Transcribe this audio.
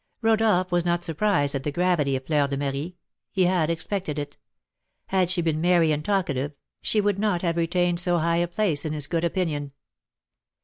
Rodolph was not surprised at the gravity of Fleur de Marie; he had expected it. Had she been merry and talkative, she would not have retained so high a place in his good opinion.